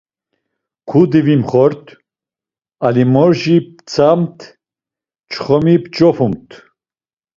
Kudi vimxort, alimorji p̌tzamt, çxomi p̌ç̌opumt…